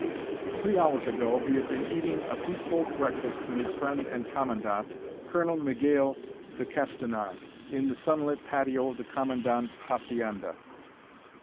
_] Three hours ago he had been eating a peaceful breakfast with his friend and commandant, Colonel Miguel de Castanar, in the sunlit patio of the commandant's hacienda.